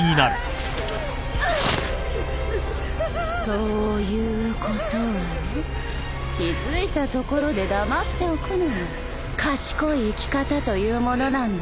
そういうことはね気付いたところで黙っておくのが賢い生き方というものなんだよ。